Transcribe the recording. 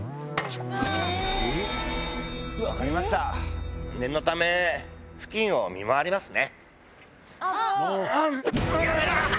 分かりました、念のため付近を見回りますね。